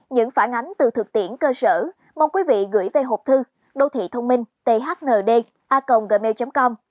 những phản ánh từ thực tiễn cơ sở mong quý vị gửi về hộp thư đô thị thông minh thnd a gmail com